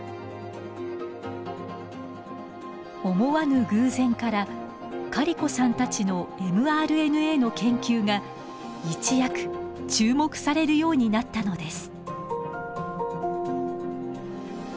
思わぬ偶然からカリコさんたちのｍＲＮＡの研究が一躍注目されるようになったのです。